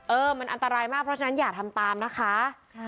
เออมันอันตรายมากเพราะฉะนั้นอย่าทำตามนะคะ